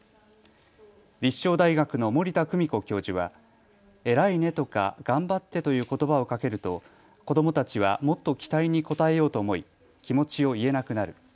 立正大学の森田久美子教授は偉いねとか頑張ってということばをかけると子どもたちはもっと期待に応えようと思い気持ちを言えなくなる。